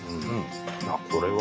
これは。